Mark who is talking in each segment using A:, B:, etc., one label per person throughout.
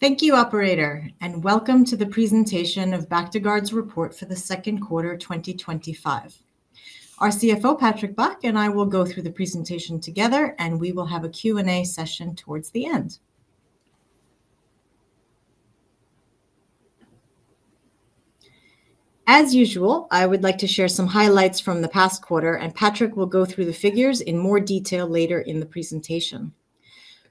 A: Thank you, operator, and welcome to the presentation of Bactiguard's report for the second quarter 2025. Our CFO, Patrick Bach, and I will go through the presentation together, and we will have a Q&A session towards the end. As usual, I would like to share some highlights from the past quarter, and Patrick will go through the figures in more detail later in the presentation.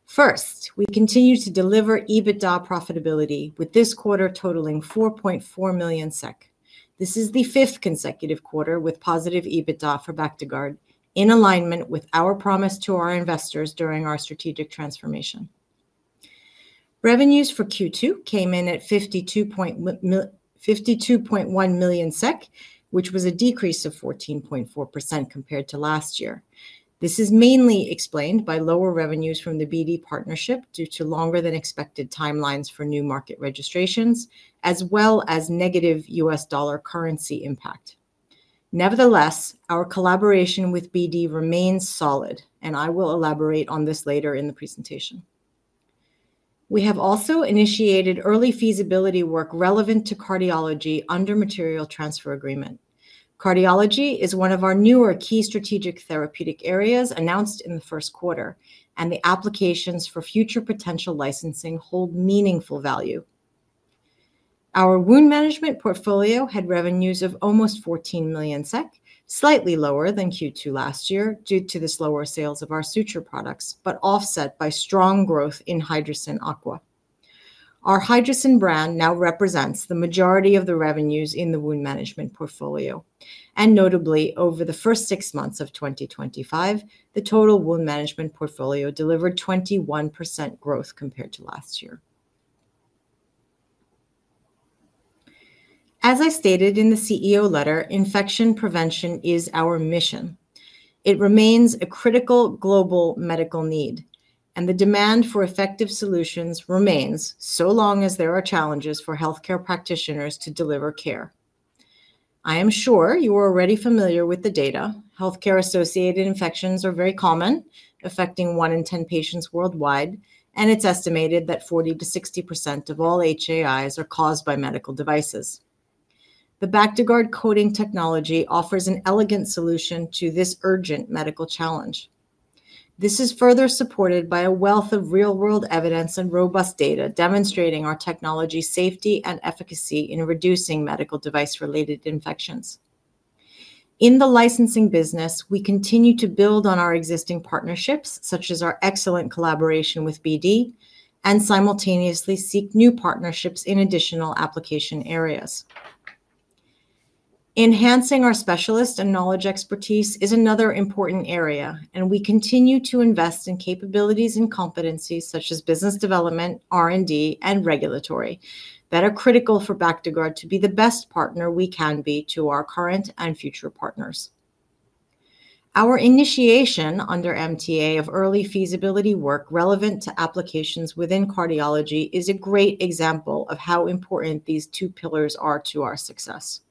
A: First, we continue to deliver EBITDA profitability, with this quarter totaling 4.4 million SEK. This is the fifth consecutive quarter with positive EBITDA for Bactiguard, in alignment with our promise to our investors during our strategic transformation. Revenues for Q2 came in at 52.1 million SEK, which was a decrease of 14.4% compared to last year. This is mainly explained by lower revenues from the BD partnership due to longer than expected timelines for new market registrations, as well as negative U.S. dollar currency impact. Nevertheless, our collaboration with BD remains solid, and I will elaborate on this later in the presentation. We have also initiated early feasibility work relevant to cardiology under material transfer agreement. Cardiology is one of our newer key strategic therapeutic areas announced in the first quarter, and the applications for future potential licensing hold meaningful value. Our wound management portfolio had revenues of almost 14 million SEK, slightly lower than Q2 last year due to the slower sales of our suture products, but offset by strong growth in Hydrocyn Aqua. Our Hydrocyn brand now represents the majority of the revenues in the wound management portfolio. Notably, over the first six months of 2025, the total wound management portfolio delivered 21% growth compared to last year. As I stated in the CEO letter, infection prevention is our mission. It remains a critical global medical need, and the demand for effective solutions remains so long as there are challenges for healthcare practitioners to deliver care. I am sure you are already familiar with the data: healthcare-associated infections are very common, affecting one in ten patients worldwide, and it's estimated that 40%-60% of all HAIs are caused by medical devices. The Bactiguard coating technology offers an elegant solution to this urgent medical challenge. This is further supported by a wealth of real-world evidence and robust data demonstrating our technology's safety and efficacy in reducing medical device-related infections. In the licensing business, we continue to build on our existing partnerships, such as our excellent collaboration with BD, and simultaneously seek new partnerships in additional application areas. Enhancing our specialists and knowledge expertise is another important area, and we continue to invest in capabilities and competencies such as business development, R&D, and regulatory, that are critical for Bactiguard to be the best partner we can be to our current and future partners. Our initiation under material transfer agreements of early feasibility work relevant to applications within cardiology is a great example of how important these two pillars are to our success.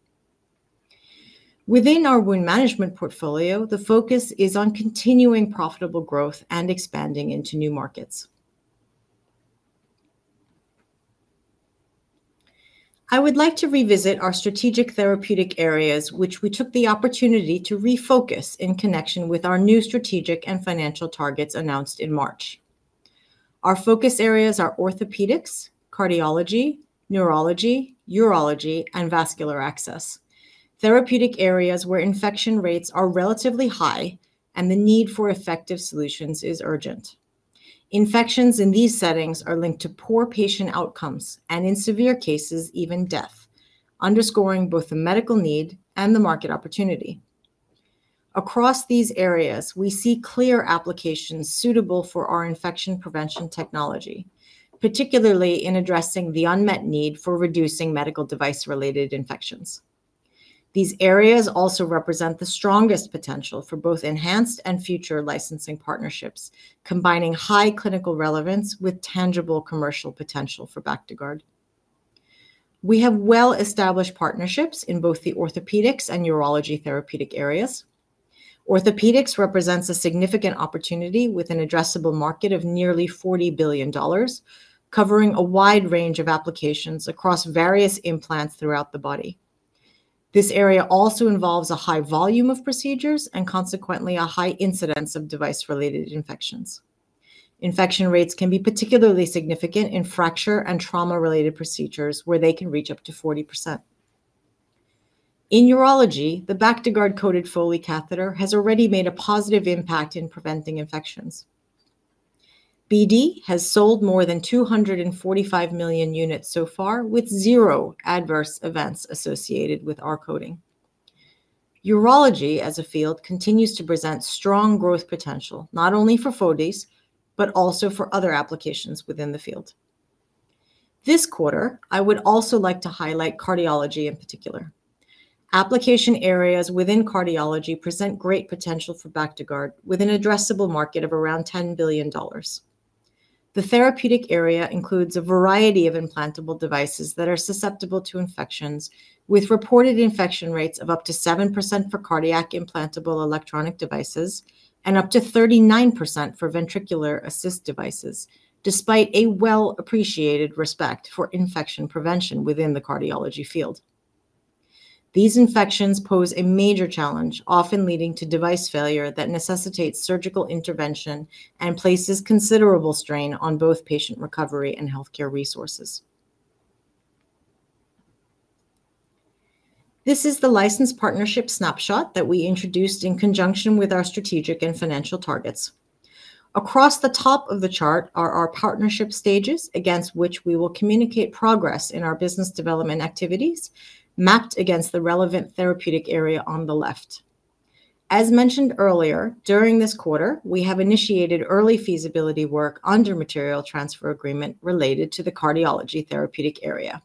A: Within our wound management portfolio, the focus is on continuing profitable growth and expanding into new markets. I would like to revisit our strategic therapeutic areas, which we took the opportunity to refocus in connection with our new strategic and financial targets announced in March. Our focus areas are orthopedics, cardiology, neurology, urology, and vascular access. Therapeutic areas where infection rates are relatively high and the need for effective solutions is urgent. Infections in these settings are linked to poor patient outcomes and, in severe cases, even death, underscoring both the medical need and the market opportunity. Across these areas, we see clear applications suitable for our infection prevention technology, particularly in addressing the unmet need for reducing medical device-related infections. These areas also represent the strongest potential for both enhanced and future licensing partnerships, combining high clinical relevance with tangible commercial potential for Bactiguard. We have well-established partnerships in both the orthopedics and urology therapeutic areas. Orthopedics represents a significant opportunity with an addressable market of nearly $40 billion, covering a wide range of applications across various implants throughout the body. This area also involves a high volume of procedures and, consequently, a high incidence of device-related infections. Infection rates can be particularly significant in fracture and trauma-related procedures, where they can reach up to 40%. In urology, the Bactiguard-coated Foley catheter has already made a positive impact in preventing infections. BD has sold more than 245 million units so far with zero adverse events associated with our coating. Urology, as a field, continues to present strong growth potential not only for Foleys, but also for other applications within the field. This quarter, I would also like to highlight cardiology in particular. Application areas within cardiology present great potential for Bactiguard with an addressable market of around $10 billion. The therapeutic area includes a variety of implantable devices that are susceptible to infections, with reported infection rates of up to 7% for cardiac implantable electronic devices and up to 39% for ventricular assist devices, despite a well-appreciated respect for infection prevention within the cardiology field. These infections pose a major challenge, often leading to device failure that necessitates surgical intervention and places considerable strain on both patient recovery and healthcare resources. This is the license partnership snapshot that we introduced in conjunction with our strategic and financial targets. Across the top of the chart are our partnership stages, against which we will communicate progress in our business development activities, mapped against the relevant therapeutic area on the left. As mentioned earlier, during this quarter, we have initiated early feasibility work under material transfer agreements related to the cardiology therapeutic area,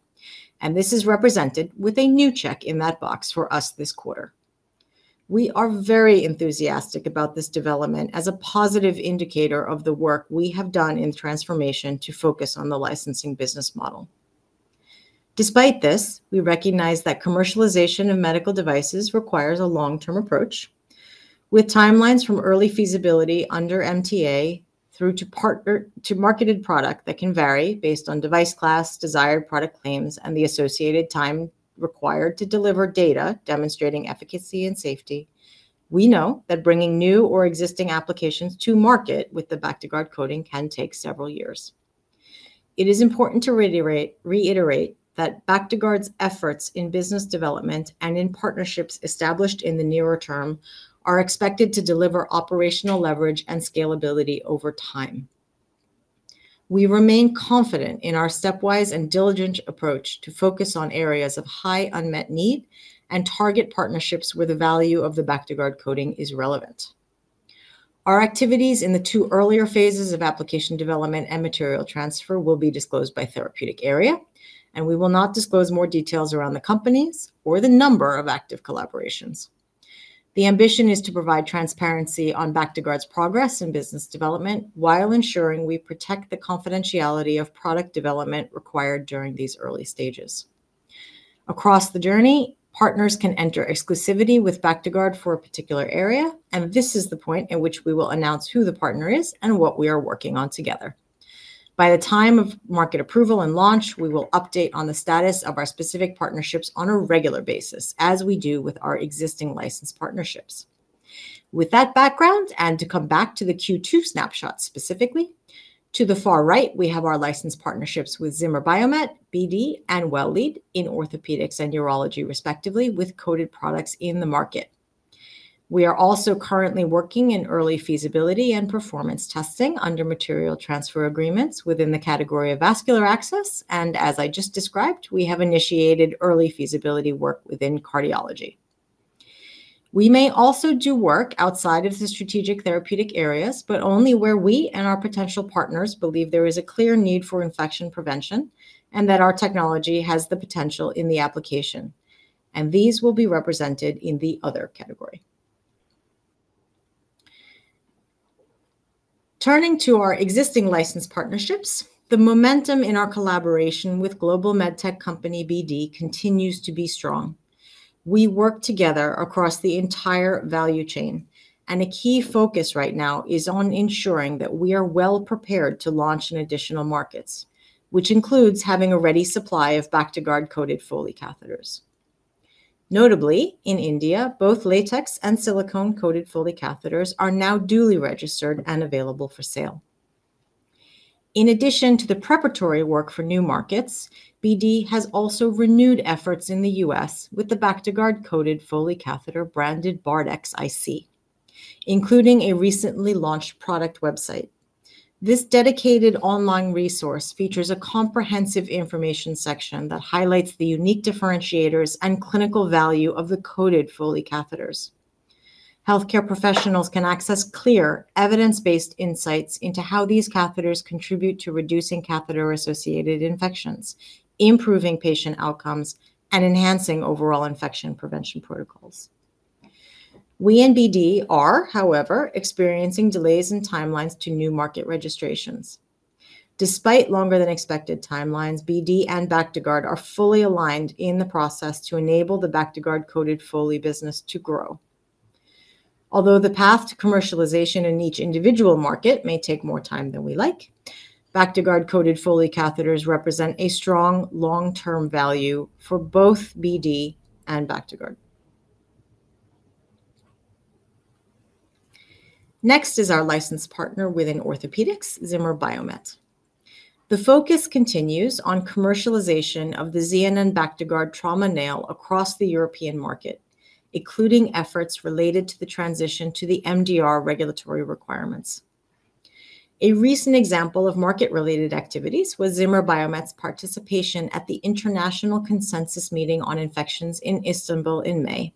A: and this is represented with a new check in that box for us this quarter. We are very enthusiastic about this development as a positive indicator of the work we have done in transformation to focus on the licensing business model. Despite this, we recognize that commercialization of medical devices requires a long-term approach, with timelines from early feasibility under MTA through to marketed product that can vary based on device class, desired product claims, and the associated time required to deliver data demonstrating efficacy and safety. We know that bringing new or existing applications to market with the Bactiguard coating can take several years. It is important to reiterate that Bactiguard's efforts in business development and in partnerships established in the nearer term are expected to deliver operational leverage and scalability over time. We remain confident in our stepwise and diligent approach to focus on areas of high unmet need and target partnerships where the value of the Bactiguard coating is relevant. Our activities in the two earlier phases of application development and material transfer will be disclosed by therapeutic area, and we will not disclose more details around the companies or the number of active collaborations. The ambition is to provide transparency on Bactiguard's progress in business development while ensuring we protect the confidentiality of product development required during these early stages. Across the journey, partners can enter exclusivity with Bactiguard for a particular area, and this is the point at which we will announce who the partner is and what we are working on together. By the time of market approval and launch, we will update on the status of our specific partnerships on a regular basis, as we do with our existing licensed partnerships. With that background, and to come back to the Q2 snapshot specifically, to the far right, we have our licensed partnerships with Zimmer Biomet, BD, and Well Lead in orthopedics and urology, respectively, with coated products in the market. We are also currently working in early feasibility and performance testing under material transfer agreements within the category of vascular access, and as I just described, we have initiated early feasibility work within cardiology. We may also do work outside of the strategic therapeutic areas, but only where we and our potential partners believe there is a clear need for infection prevention and that our technology has the potential in the application, and these will be represented in the other category. Turning to our existing licensed partnerships, the momentum in our collaboration with global medtech company BD continues to be strong. We work together across the entire value chain, and a key focus right now is on ensuring that we are well prepared to launch in additional markets, which includes having a ready supply of Bactiguard-coated Foley catheters. Notably, in India, both latex and silicone coated Foley catheters are now duly registered and available for sale. In addition to the preparatory work for new markets, BD has also renewed efforts in the U.S. with the Bactiguard-coated Foley catheter branded BardX IC, including a recently launched product website. This dedicated online resource features a comprehensive information section that highlights the unique differentiators and clinical value of the coated Foley catheters. Healthcare professionals can access clear, evidence-based insights into how these catheters contribute to reducing catheter-associated infections, improving patient outcomes, and enhancing overall infection prevention protocols. We in BD are, however, experiencing delays in timelines to new market registrations. Despite longer than expected timelines, BD and Bactiguard are fully aligned in the process to enable the Bactiguard-coated Foley business to grow. Although the path to commercialization in each individual market may take more time than we like, Bactiguard-coated Foley catheters represent a strong long-term value for both BD and Bactiguard. Next is our licensed partner within orthopedics, Zimmer Biomet. The focus continues on commercialization of the ZNN Bactiguard trauma nail across the European market, including efforts related to the transition to the MDR regulatory requirements. A recent example of market-related activities was Zimmer Biomet's participation at the International Consensus Meeting on Infections in Istanbul in May,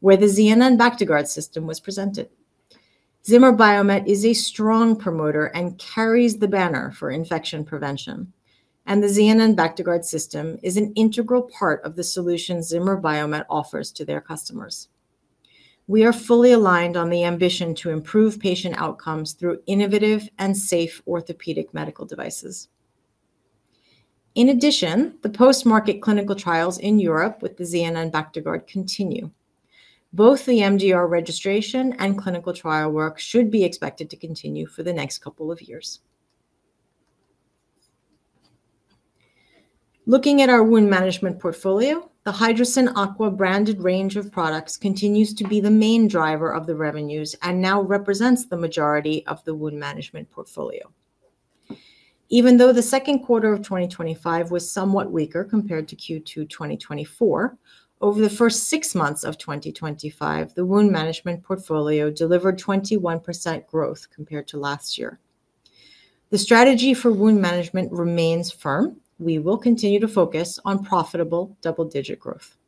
A: where the ZNN Bactiguard system was presented. Zimmer Biomet is a strong promoter and carries the banner for infection prevention, and the ZNN Bactiguard system is an integral part of the solution Zimmer Biomet offers to their customers. We are fully aligned on the ambition to improve patient outcomes through innovative and safe orthopedic medical devices. In addition, the post-market clinical trials in Europe with the ZNN Bactiguard continue. Both the MDR registration and clinical trial work should be expected to continue for the next couple of years. Looking at our wound management portfolio, the Hydrocyn Aqua branded range of products continues to be the main driver of the revenues and now represents the majority of the wound management portfolio. Even though the second quarter of 2025 was somewhat weaker compared to Q2 2024, over the first six months of 2025, the wound management portfolio delivered 21% growth compared to last year. The strategy for wound management remains firm, we will continue to focus on profitable double-digit growth.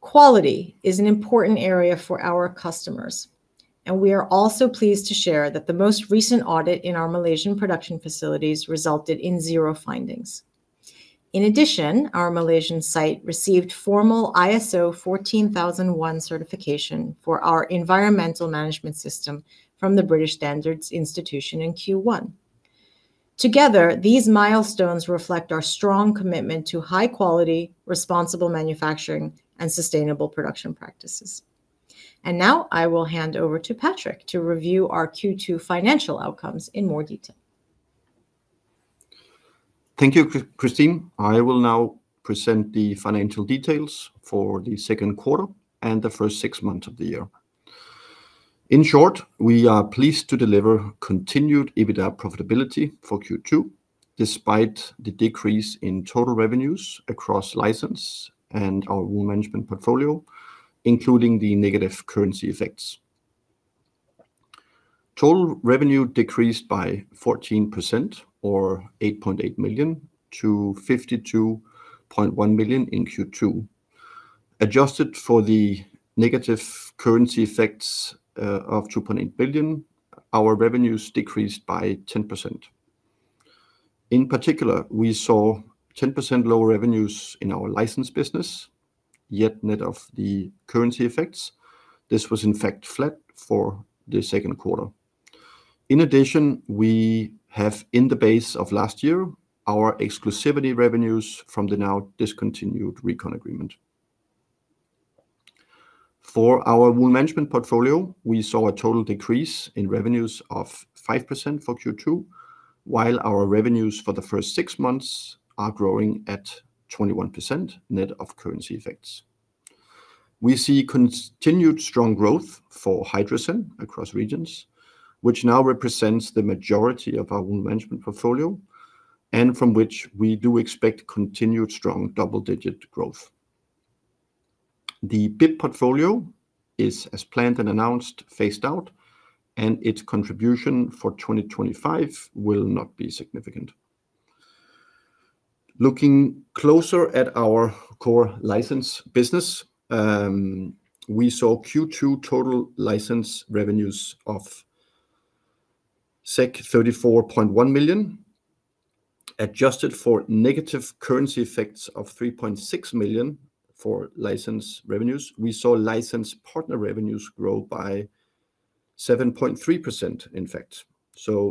A: Quality is an important area for our customers, and we are also pleased to share that the most recent audit in our Malaysian production facilities resulted in zero findings. In addition, our Malaysian site received formal ISO 14001 certification for our environmental management system from the British Standards Institution in Q1. Together, these milestones reflect our strong commitment to high quality, responsible manufacturing, and sustainable production practices. I will now hand over to Patrick to review our Q2 financial outcomes in more detail.
B: Thank you, Christine. I will now present the financial details for the second quarter and the first six months of the year. In short, we are pleased to deliver continued EBITDA profitability for Q2, despite the decrease in total revenues across license and our wound management portfolio, including the negative currency effects. Total revenue decreased by 14%, or 8.8 million, to 52.1 million in Q2. Adjusted for the negative currency effects of 2.8 million, our revenues decreased by 10%. In particular, we saw 10% lower revenues in our licensing business, yet net of the currency effects, this was in fact flat for the second quarter. In addition, we have in the base of last year our exclusivity revenues from the now discontinued recon agreement. For our wound management portfolio, we saw a total decrease in revenues of 5% for Q2, while our revenues for the first six months are growing at 21% net of currency effects. We see continued strong growth for Hydrocyn across regions, which now represents the majority of our wound management portfolio and from which we do expect continued strong double-digit growth. The BIP portfolio is, as planned and announced, phased out, and its contribution for 2025 will not be significant. Looking closer at our core licensing business, we saw Q2 total license revenues of 34.1 million. Adjusted for negative currency effects of 3.6 million for license revenues, we saw license partner revenues grow by 7.3%, in fact.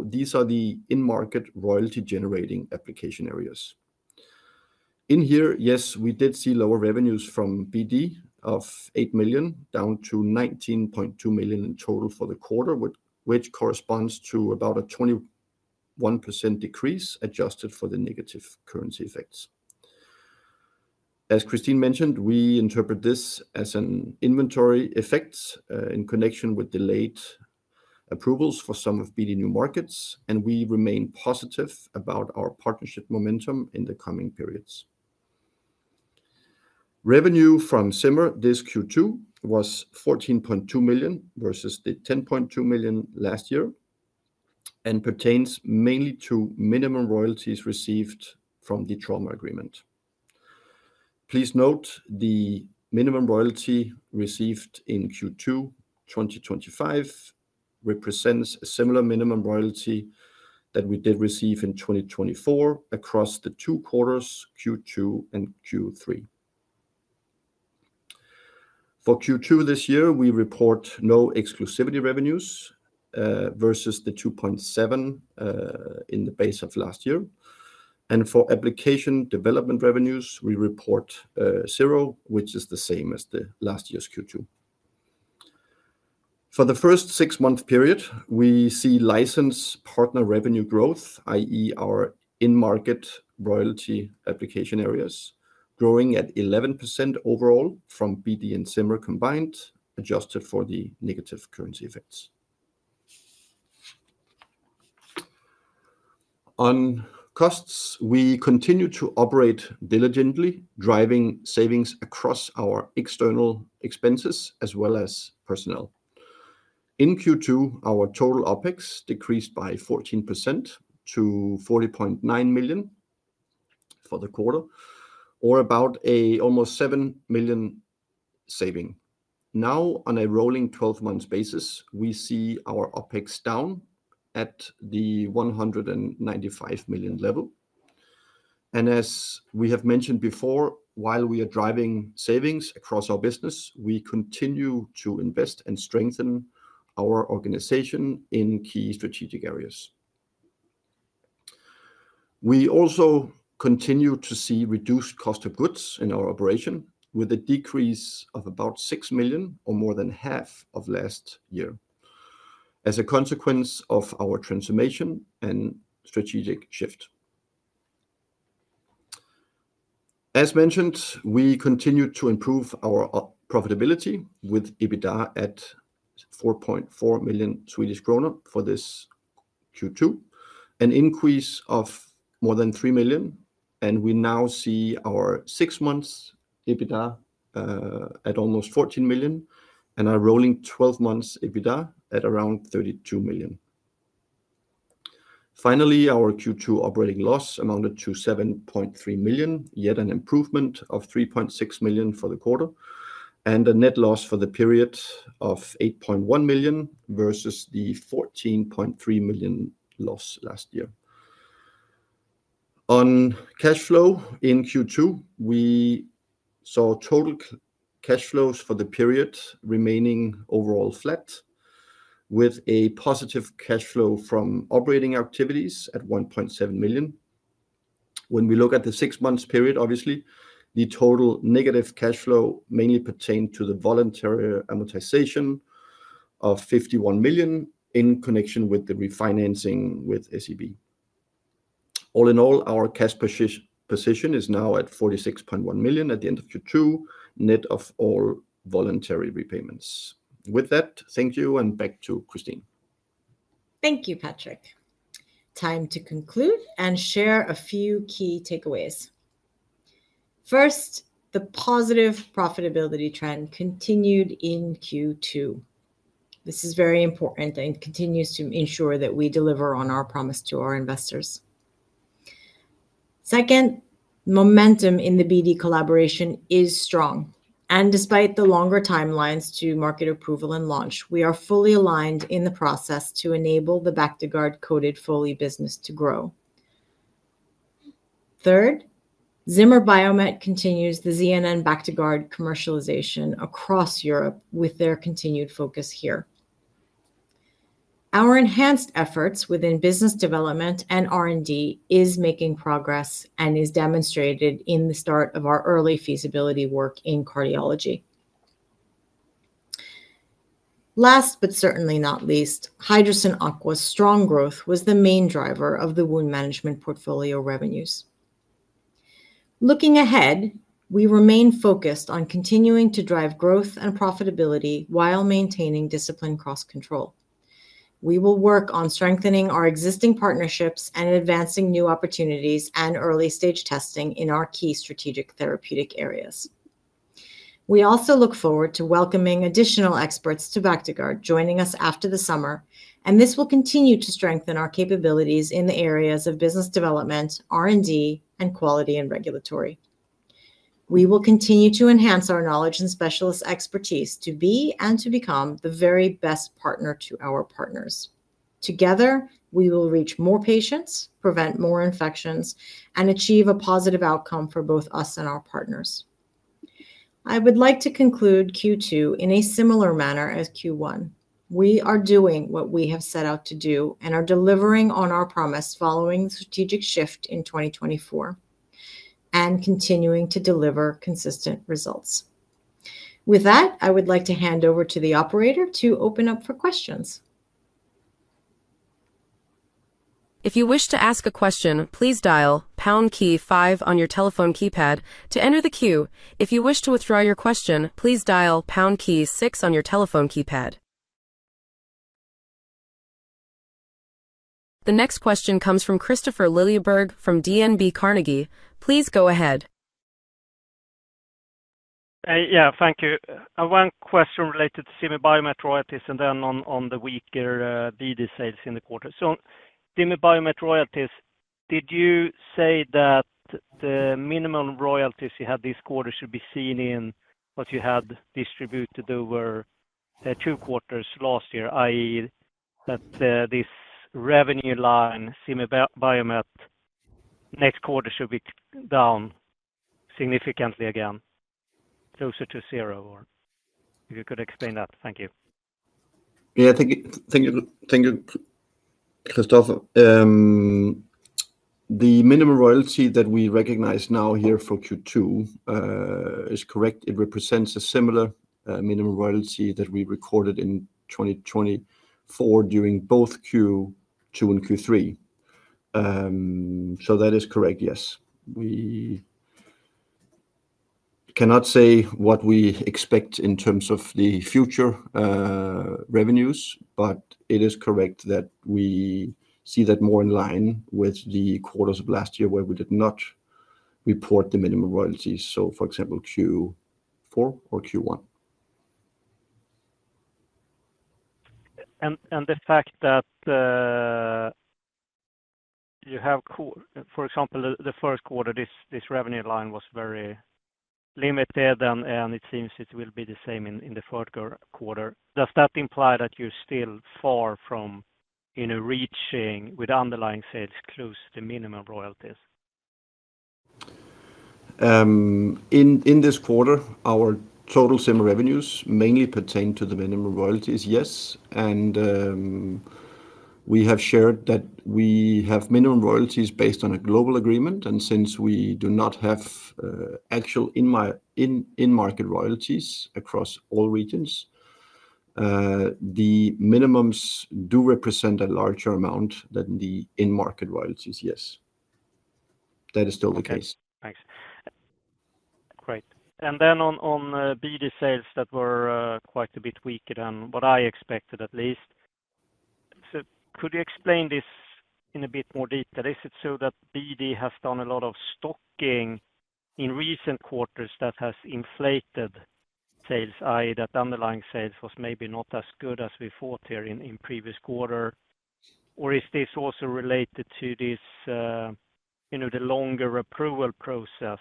B: These are the in-market royalty-generating application areas. In here, we did see lower revenues from BD of 8 million down to 19.2 million in total for the quarter, which corresponds to about a 21% decrease adjusted for the negative currency effects. As Christine mentioned, we interpret this as an inventory effect in connection with delayed approvals for some of BD's new markets, and we remain positive about our partnership momentum in the coming periods. Revenue from Zimmer Biomet this Q2 was 14.2 million versus 10.2 million last year and pertains mainly to minimum royalties received from the trauma agreement. Please note the minimum royalty received in Q2 2025 represents a similar minimum royalty that we did receive in 2024 across the two quarters, Q2 and Q3. For Q2 this year, we report no exclusivity revenues, versus the 2.7 million in the base of last year. For application development revenues, we report zero, which is the same as last year's Q2. For the first six-month period, we see license partner revenue growth, i.e., our in-market royalty application areas, growing at 11% overall from BD and Zimmer Biomet combined, adjusted for the negative currency effects. On costs, we continue to operate diligently, driving savings across our external expenses as well as personnel. In Q2, our total OpEx decreased by 14% to 40.9 million for the quarter, or about an almost 7 million saving. Now, on a rolling 12-month basis, we see our OpEx down at the 195 million level. As we have mentioned before, while we are driving savings across our business, we continue to invest and strengthen our organization in key strategic areas. We also continue to see reduced cost of goods in our operation, with a decrease of about 6 million or more than half of last year as a consequence of our transformation and strategic shift. As mentioned, we continue to improve our profitability with EBITDA at 4.4 million Swedish kronor for this Q2, an increase of more than 3 million. We now see our six-month EBITDA at almost 14 million and our rolling 12-month EBITDA at around 32 million. Finally, our Q2 operating loss amounted to 7.3 million, yet an improvement of 3.6 million for the quarter, and a net loss for the period of 8.1 million versus the 14.3 million loss last year. On cash flow in Q2, we saw total cash flows for the period remaining overall flat, with a positive cash flow from operating activities at 1.7 million. When we look at the six-month period, obviously, the total negative cash flow mainly pertained to the voluntary amortization of 51 million in connection with the refinancing with SEB. All in all, our cash position is now at 46.1 million at the end of Q2, net of all voluntary repayments. With that, thank you and back to Christine.
A: Thank you, Patrick. Time to conclude and share a few key takeaways. First, the positive profitability trend continued in Q2. This is very important and continues to ensure that we deliver on our promise to our investors. Second, the momentum in the BD collaboration is strong, and despite the longer timelines to market approval and launch, we are fully aligned in the process to enable the Bactiguard-coated Foley business to grow. Third, Zimmer Biomet continues the ZNN Bactiguard commercialization across Europe with their continued focus here. Our enhanced efforts within business development and R&D are making progress and are demonstrated in the start of our early feasibility work in cardiology. Last but certainly not least, Hydrocyn Aqua's strong growth was the main driver of the wound management portfolio revenues. Looking ahead, we remain focused on continuing to drive growth and profitability while maintaining discipline cost-control. We will work on strengthening our existing partnerships and advancing new opportunities and early-stage testing in our key strategic therapeutic areas. We also look forward to welcoming additional experts to Bactiguard joining us after the summer, and this will continue to strengthen our capabilities in the areas of business development, R&D, and quality and regulatory. We will continue to enhance our knowledge and specialist expertise to be and to become the very best partner to our partners. Together, we will reach more patients, prevent more infections, and achieve a positive outcome for both us and our partners. I would like to conclude Q2 in a similar manner as Q1. We are doing what we have set out to do and are delivering on our promise following the strategic shift in 2024 and continuing to deliver consistent results. With that, I would like to hand over to the operator to open up for questions.
C: If you wish to ask a question, please dial pound key five on your telephone keypad to enter the queue. If you wish to withdraw your question, please dial pound key six on your telephone keypad. The next question comes from Christopher Lilleberg from DNB Carnegie. Please go ahead.
D: Thank you. One question related to Zimmer Biomet royalties, and then on the weaker BD sales in the quarter. Zimmer Biomet royalties, did you say that the minimum royalties you had this quarter should be seen in what you had distributed over two quarters last year, i.e., that this revenue line, Zimmer Biomet, next quarter should be down significantly again, closer to zero, or if you could explain that. Thank you. Yeah, thank you, thank you, Christoph. The minimum royalty that we recognize now here for Q2 is correct. It represents a similar minimum royalty that we recorded in 2024 during both Q2 and Q3. That is correct, yes. We cannot say what we expect in terms of the future revenues, but it is correct that we see that more in line with the quarters of last year where we did not report the minimum royalties, for example, Q4 or Q1. The fact that you have, for example, the first quarter, this revenue line was very limited, and it seems it will be the same in the third quarter. Does that imply that you're still far from reaching with underlying sales close to the minimum royalties?
B: In this quarter, our total Zimmer Biomet revenues mainly pertain to the minimum royalties, yes. We have shared that we have minimum royalties based on a global agreement, and since we do not have actual in-market royalties across all regions, the minimums do represent a larger amount than the in-market royalties, yes. That is still the case.
D: Thanks. Great. On BD sales that were quite a bit weaker than what I expected, at least, could you explain this in a bit more detail? Is it so that BD has done a lot of stocking in recent quarters that has inflated sales, i.e., that underlying sales was maybe not as good as we thought here in the previous quarter? Is this also related to the longer approval process?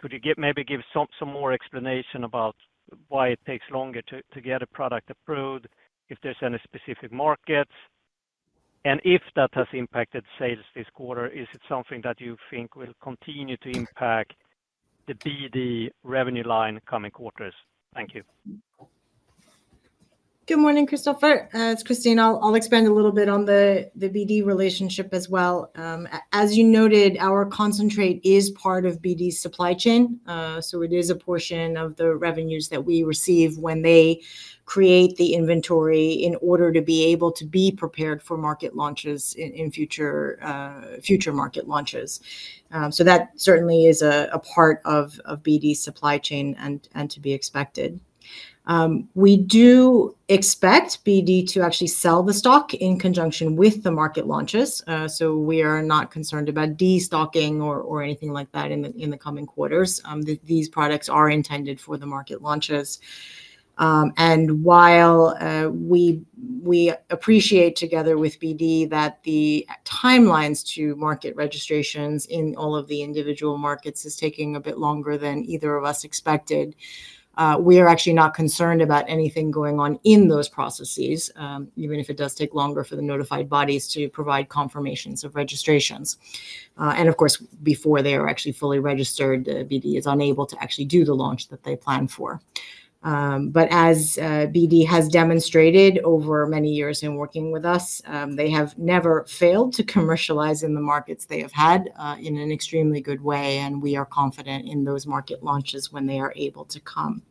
D: Could you maybe give some more explanation about why it takes longer to get a product approved, if there's any specific markets? If that has impacted sales this quarter, is it something that you think will continue to impact the BD revenue line coming quarters? Thank you.
A: Good morning, Christopher. It's Christine. I'll expand a little bit on the BD relationship as well. As you noted, our concentrate is part of BD's supply chain. It is a portion of the revenues that we receive when they create the inventory in order to be able to be prepared for market launches in future market launches. That certainly is a part of BD's supply chain and to be expected. We do expect BD to actually sell the stock in conjunction with the market launches. We are not concerned about destocking or anything like that in the coming quarters. These products are intended for the market launches. While we appreciate, together with BD, that the timelines to market registrations in all of the individual markets are taking a bit longer than either of us expected, we are actually not concerned about anything going on in those processes, even if it does take longer for the notified bodies to provide confirmations of registrations. Of course, before they are actually fully registered, BD is unable to actually do the launch that they plan for. As BD has demonstrated over many years in working with us, they have never failed to commercialize in the markets they have had in an extremely good way, and we are confident in those market launches when they are able to come.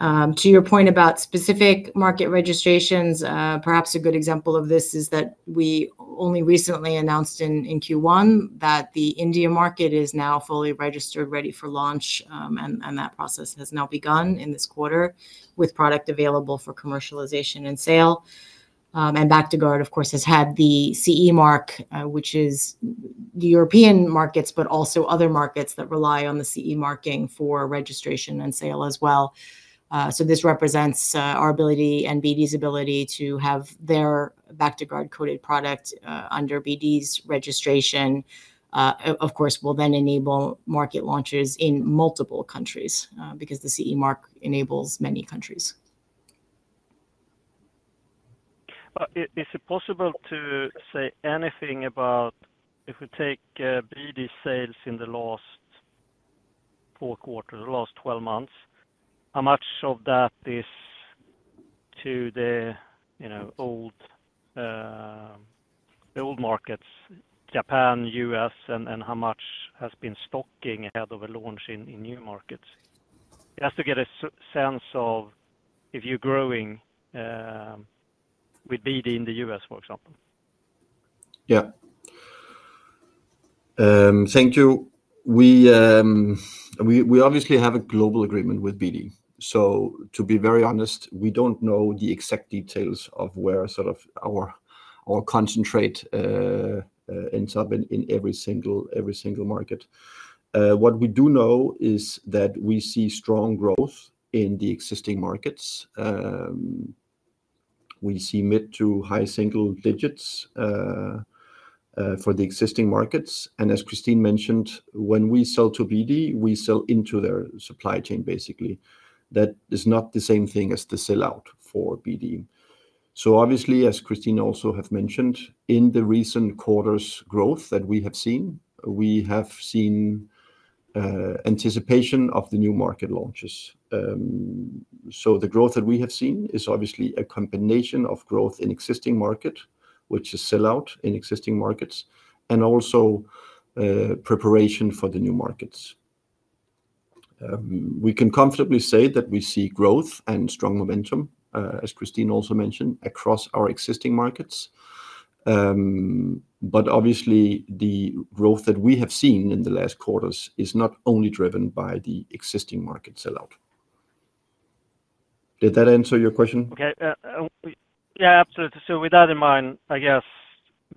A: To your point about specific market registrations, perhaps a good example of this is that we only recently announced in Q1 that the India market is now fully registered, ready for launch, and that process has now begun in this quarter with product available for commercialization and sale. Bactiguard, of course, has had the CE mark, which is the European markets, but also other markets that rely on the CE marking for registration and sale as well. This represents our ability and BD's ability to have their Bactiguard-coated product under BD's registration, which will then enable market launches in multiple countries because the CE mark enables many countries.
D: Is it possible to say anything about if we take BD sales in the last four quarters, the last 12 months, how much of that is to the old markets, Japan, U.S., and how much has been stocking ahead of a launch in new markets? Just to get a sense of if you're growing with BD in the U.S., for example.
B: Thank you. We obviously have a global agreement with BD. To be very honest, we don't know the exact details of where sort of our concentrate ends up in every single market. What we do know is that we see strong growth in the existing markets. We see mid to high single digits for the existing markets. As Christine mentioned, when we sell to BD, we sell into their supply chain, basically. That is not the same thing as the sell-out for BD. As Christine also had mentioned, in the recent quarter's growth that we have seen, we have seen anticipation of the new market launches. The growth that we have seen is obviously a combination of growth in existing markets, which is sell-out in existing markets, and also preparation for the new markets. We can comfortably say that we see growth and strong momentum, as Christine also mentioned, across our existing markets. The growth that we have seen in the last quarters is not only driven by the existing market sell-out. Did that answer your question?
D: Okay. Yeah, absolutely. With that in mind, I guess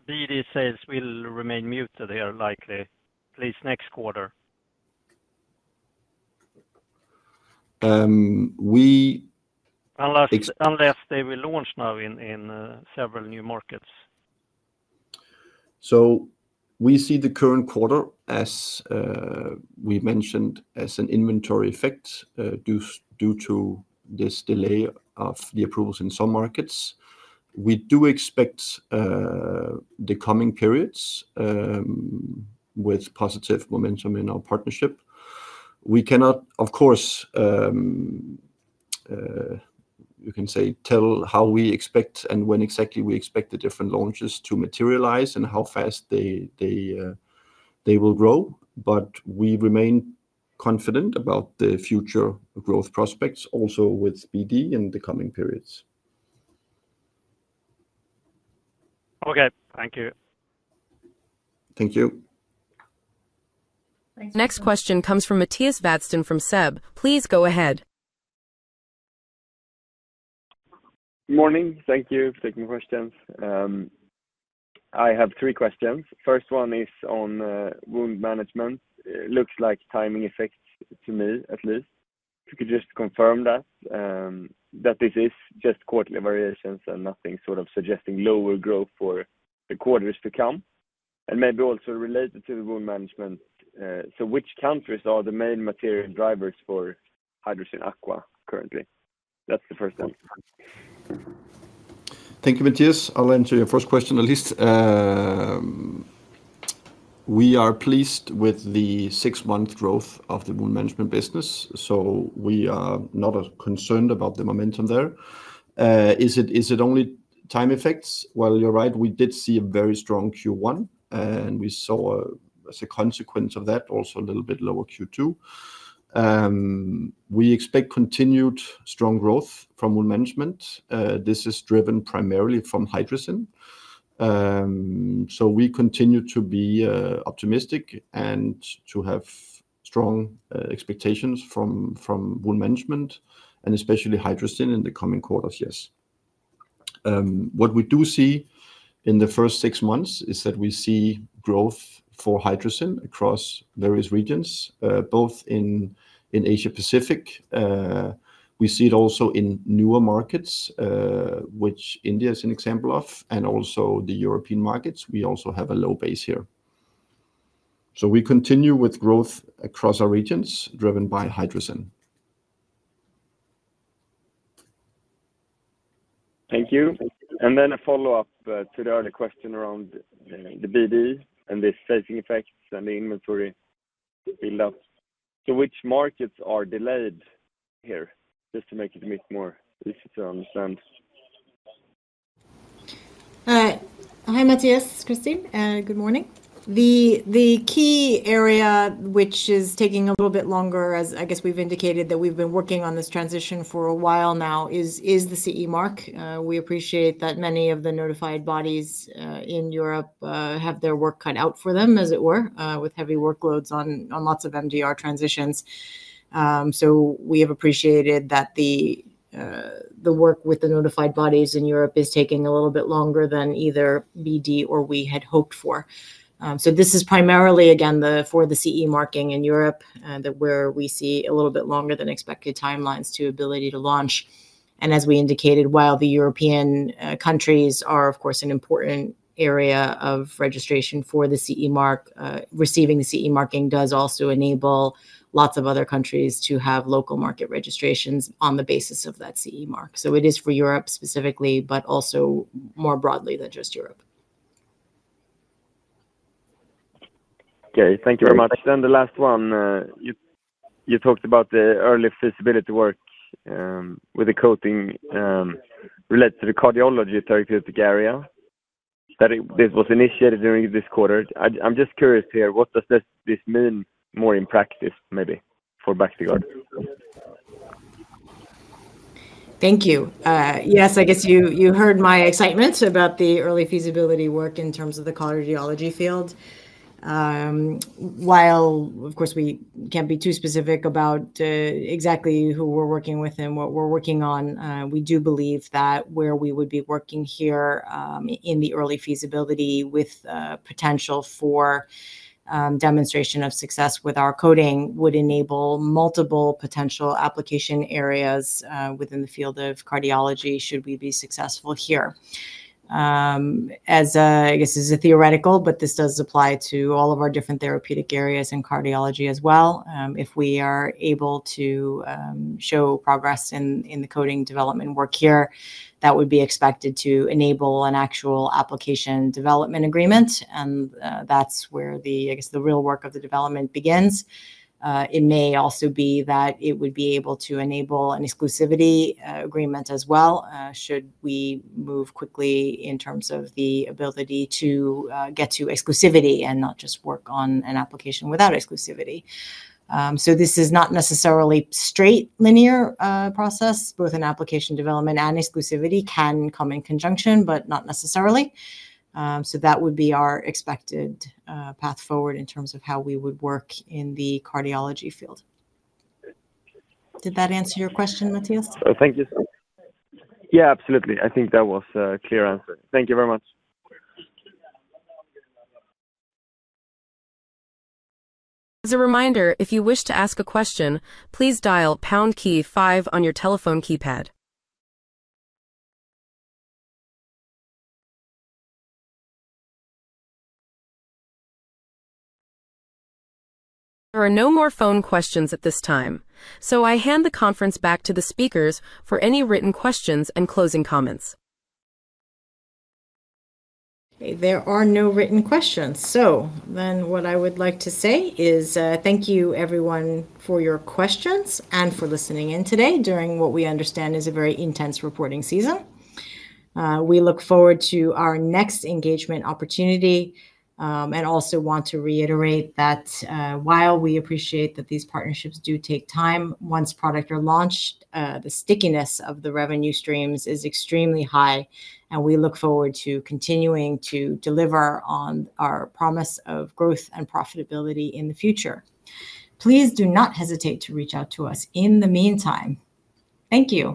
D: BD sales will remain muted here likely, at least next quarter.
B: We.
D: Unless they will launch now in several new markets.
B: We see the current quarter, as we mentioned, as an inventory effect due to this delay of the approvals in some markets. We do expect the coming periods with positive momentum in our partnership. We cannot, of course, tell how we expect and when exactly we expect the different launches to materialize and how fast they will grow, but we remain confident about the future growth prospects also with BD in the coming periods.
D: Okay, thank you.
B: Thank you.
C: Next question comes from Mattias Vadsten from SEB. Please go ahead.
E: Morning. Thank you for taking questions. I have three questions. First one is on wound management. It looks like timing effects to me, at least. If you could just confirm that, that this is just quarterly variations and nothing sort of suggesting lower growth for the quarters to come, and maybe also related to the wound management. Which countries are the main material drivers for Hydrocyn Aqua currently? That's the first one.
B: Thank you, Matthias. I'll answer your first question, at least. We are pleased with the six-month growth of the wound management business. We are not concerned about the momentum there. Is it only time effects? You're right. We did see a very strong Q1, and we saw, as a consequence of that, also a little bit lower Q2. We expect continued strong growth from wound management. This is driven primarily from Hydrocyn Aqua. We continue to be optimistic and to have strong expectations from wound management and especially Hydrocyn Aqua in the coming quarters, yes. What we do see in the first six months is that we see growth for Hydrocyn Aqua across various regions, both in Asia-Pacific. We see it also in newer markets, which India is an example of, and also the European markets. We also have a low base here. We continue with growth across our regions driven by Hydrocyn Aqua.
E: Thank you. A follow-up to the earlier question around BD and the sizing effects and the inventory build-up: which markets are delayed here? Just to make it a bit more easy to understand.
A: Hi, Matthias. Christine. Good morning. The key area, which is taking a little bit longer, as I guess we've indicated that we've been working on this transition for a while now, is the CE mark. We appreciate that many of the notified bodies in Europe have their work cut out for them, as it were, with heavy workloads on lots of MDR transitions. We have appreciated that the work with the notified bodies in Europe is taking a little bit longer than either BD or we had hoped for. This is primarily, again, for the CE marking in Europe where we see a little bit longer than expected timelines to ability to launch. As we indicated, while the European countries are, of course, an important area of registration for the CE mark, receiving the CE marking does also enable lots of other countries to have local market registrations on the basis of that CE mark. It is for Europe specifically, but also more broadly than just Europe.
E: Okay. Thank you very much. The last one, you talked about the early feasibility work with the coating related to the cardiology therapeutic area. This was initiated during this quarter. I'm just curious here, what does this mean more in practice, maybe, for Bactiguard?
A: Thank you. Yes, I guess you heard my excitement about the early feasibility work in terms of the cardiology field. While, of course, we can't be too specific about exactly who we're working with and what we're working on, we do believe that where we would be working here in the early feasibility with potential for demonstration of success with our coating would enable multiple potential application areas within the field of cardiology should we be successful here. As a theoretical, but this does apply to all of our different therapeutic areas in cardiology as well. If we are able to show progress in the coating development work here, that would be expected to enable an actual application development agreement. That's where the real work of the development begins. It may also be that it would be able to enable an exclusivity agreement as well should we move quickly in terms of the ability to get to exclusivity and not just work on an application without exclusivity. This is not necessarily a straight linear process. Both an application development and exclusivity can come in conjunction, but not necessarily. That would be our expected path forward in terms of how we would work in the cardiology field. Did that answer your question, Mattias?
D: Yeah, absolutely. I think that was a clear answer. Thank you very much.
C: A reminder, if you wish to ask a question, please dial pound key five on your telephone keypad. There are no more phone questions at this time. I hand the conference back to the speakers for any written questions and closing comments.
A: There are no written questions. What I would like to say is thank you, everyone, for your questions and for listening in today during what we understand is a very intense reporting season. We look forward to our next engagement opportunity and also want to reiterate that while we appreciate that these partnerships do take time, once products are launched, the stickiness of the revenue streams is extremely high, and we look forward to continuing to deliver on our promise of growth and profitability in the future. Please do not hesitate to reach out to us in the meantime. Thank you.